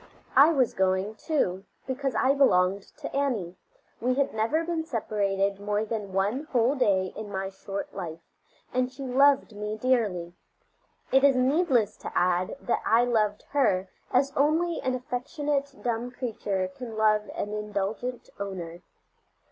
I was going, too, because I belonged to Annie; we had never been separated more than one whole day in my short life, and she loved me dearly. It is needless to add that I loved her as only an affectionate, dumb creature can love an indulgent owner.